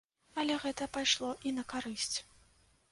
Але гэта пайшло і на карысць.